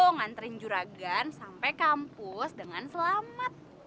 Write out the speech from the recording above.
nganterin juragan sampai kampus dengan selamat